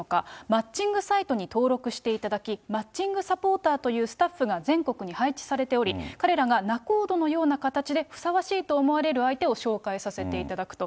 マッチングサイトに登録していただいて、マッチングサポーターというスタッフが全国に配置されており、彼らが仲人のような形でふさわしいと思われる相手を紹介させていただくと。